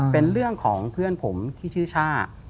เป็นเรื่องของเพื่อนผมที่ชื่อช่า